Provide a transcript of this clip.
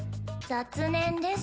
雑念です